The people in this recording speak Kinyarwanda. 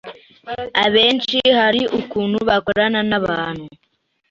abenshi hari ukuntu bakorana n’abantu